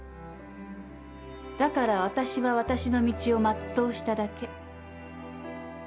だからわたしはわたしの道を全うしただけ。